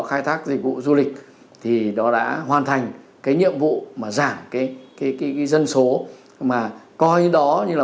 khai thác dịch vụ du lịch thì nó đã hoàn thành cái nhiệm vụ mà giảm cái dân số mà coi đó như là